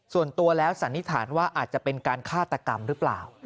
ส่วนตัวแล้วสันนิษฐานว่าอาจจะเป็นการฆาตกรรมหรือเปล่า